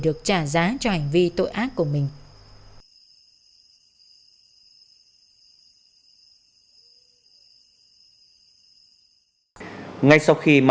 buộc là là em